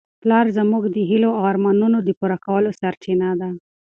پلار زموږ د هیلو او ارمانونو د پوره کولو سرچینه ده.